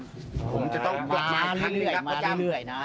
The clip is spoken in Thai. ผมจะกำหนึ่งครับพระจำ